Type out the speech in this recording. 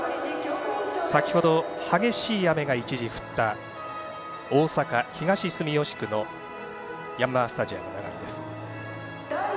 先ほど激しい雨が一時降った大阪・東住吉区ヤンマースタジアム長居です。